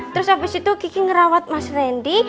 terus abis itu kiki ngerawat mas rendy